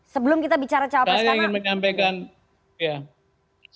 sebelum kita bicara cawapas pak anies